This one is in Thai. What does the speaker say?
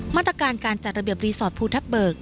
มาตรการการจัดระเบียบรีสอร์ทภูทับเบิก